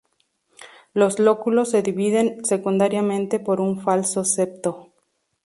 Los lóculos se dividen, secundariamente, por un falso septo.